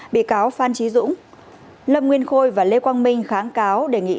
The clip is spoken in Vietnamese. bị cáo phan trí dũng lâm nguyên khôi và lê quang minh kháng cáo đề nghị